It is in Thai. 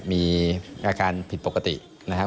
มีอาการผิดปกตินะครับ